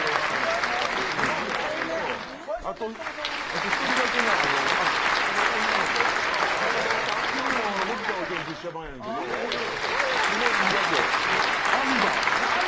あと１人だけなあの女の子、君も「北斗の拳」実写版やけどすごいいい役、アミバ。